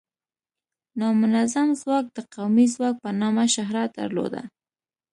نامنظم ځواک د قومي ځواک په نامه شهرت درلوده.